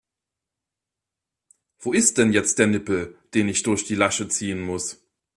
Wo ist denn jetzt der Nippel, den ich durch die Lasche ziehen muss?